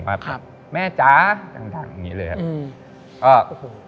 ว่าแม่จ๊ะดั่งอย่างนี้เลยครับ